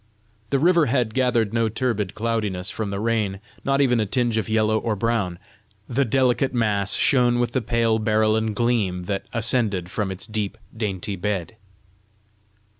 The river had gathered no turbid cloudiness from the rain, not even a tinge of yellow or brown; the delicate mass shone with the pale berylline gleam that ascended from its deep, dainty bed.